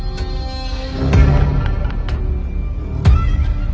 ที่สุดท้าย